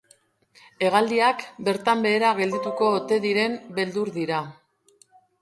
Hegaldiak bertan behera geldituko ote diren beldur dira.